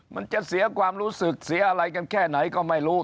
มันจะเสียความรู้สึกเสียอะไรกันแค่ไหนก็ไม่รู้